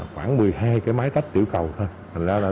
khoảng một mươi hai cái máy cách tiểu cầu thôi